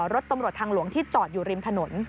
รถตำรวจทางหลวงที่จอดอยู่ริมถนน